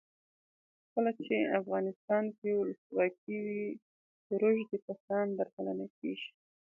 کله چې افغانستان کې ولسواکي وي روږدي کسان درملنه کیږي.